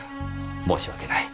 申し訳ない。